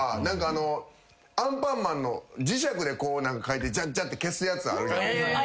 アンパンマンの磁石で描いてジャッジャッて消すやつあるじゃないすか。